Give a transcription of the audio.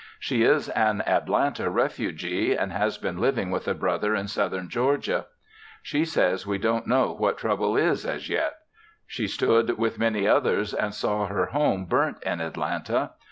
She is an Atlanta refugee and has been living with a brother in Southern Georgia. She says we don't know what trouble is as yet. She stood with many others and saw her home burnt in Atlanta.